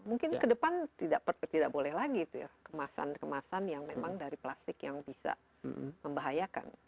mungkin ke depan tidak boleh lagi itu ya kemasan kemasan yang memang dari plastik yang bisa membahayakan